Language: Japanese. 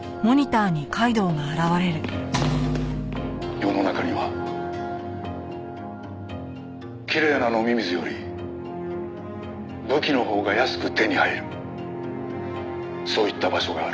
「世の中にはきれいな飲み水より武器のほうが安く手に入るそういった場所がある」